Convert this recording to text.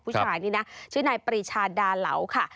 ผู้ชายนี่นะชื่อนายปรีชาดาเหลาค่ะ